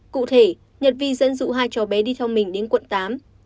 cụ thể nhật vi dẫn dụ hai cháu bé đi theo mình đến quận tám